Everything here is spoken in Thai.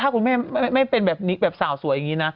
ถ้าคุณแม่ไม่เป็นแบบนี้แบบสาวสวยอย่างนี้นะ